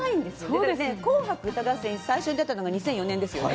紅白歌合戦、最初に出たのが２００４年ですよね。